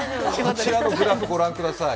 こちらのグラフ、ご覧ください。